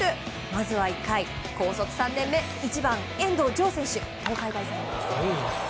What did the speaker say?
まずは１回、高卒３年目１番、遠藤成選手。